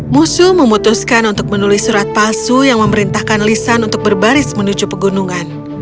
musuh memutuskan untuk menulis surat palsu yang memerintahkan lisan untuk berbaris menuju pegunungan